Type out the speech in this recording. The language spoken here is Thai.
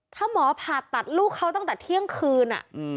ถ้าหมอผ่าตัดลูกเขาตั้งแต่เที่ยงคืน